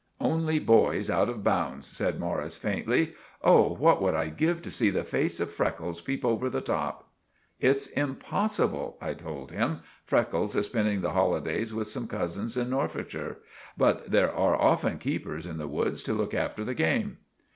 "Only boys out of bounds," said Morris faintly. "Oh, what would I give to see the face of Freckles peep over the top!" "It's impossible," I told him. "Freckles is spending the holidays with some cousins in Norfolkshire. But there are often keepers in the woods to look after the game."